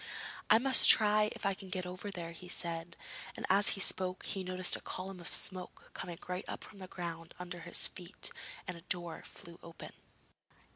'I must try if I can get over there,' he said, and as he spoke, he noticed a column of smoke coming right up from the ground under his feet, and a door flew open.